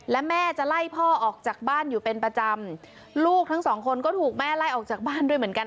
และแม่จะไล่พ่อออกจากบ้านอยู่เป็นประจำลูกทั้งสองคนก็ถูกแม่ไล่ออกจากบ้านด้วยเหมือนกัน